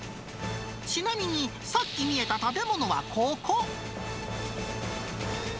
ちなみにさっき見えた建物はここ。